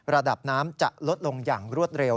ระดับน้ำจะลดลงอย่างรวดเร็ว